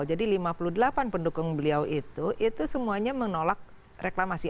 jadi lima puluh delapan pendukung beliau itu itu semuanya menolak reklamasi